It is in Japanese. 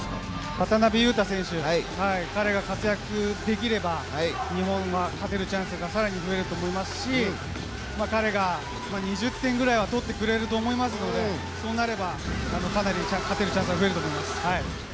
渡邊雄太選手、彼が活躍できれば、日本が勝てるチャンスがさらに増えると思いますし、彼が２０点ぐらいは取ってくれると思いますので、そうなれば、かなり勝てるチャンスが増えると思います。